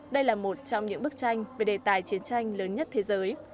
đây là một trong những bức tranh về đề tài chiến tranh lớn nhất thế giới